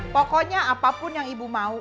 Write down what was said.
pokoknya apapun yang ibu mau